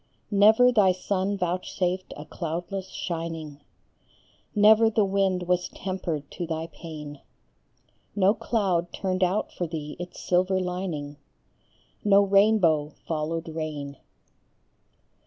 Never thy sun vouchsafed a cloudless shining, Never the wind was tempered to thy pain ; No cloud turned out for thee its silver lining, No rainbow followed rain.